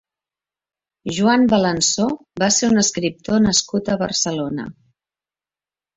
Juan Balansó va ser un escriptor nascut a Barcelona.